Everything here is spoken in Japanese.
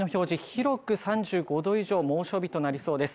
広く３５度以上猛暑日となりそうです